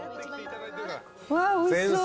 うわおいしそう。